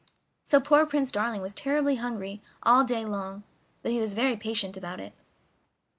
So poor Prince Darling was terribly hungry all day long, but he was very patient about it.